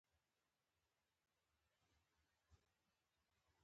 په افغانستان کې ژبې د خلکو اعتقاداتو سره تړاو لري.